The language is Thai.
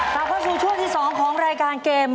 ต่อไปสู่ช่วงที่๒ของรายการเกม